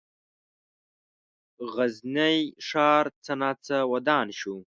غزني ښار څه ناڅه ودان شو.